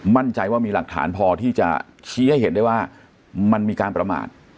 มั่นใจว่ามีหลักฐานพอที่จะชี้ให้เห็นได้ว่ามันมีการประมาท